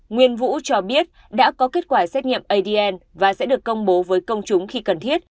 nguyên vũ cho biết đã có kết quả xét nghiệm adn và sẽ được công bố với công chúng khi cần thiết